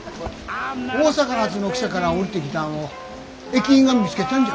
大阪発の汽車から降りてきたんを駅員が見つけたんじゃ。